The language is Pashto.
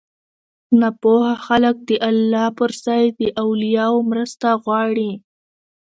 ناپوهه خلک د الله پر ځای له اولياوو مرسته غواړي